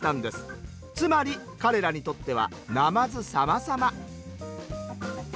つまり彼らにとってはなまずさまさま。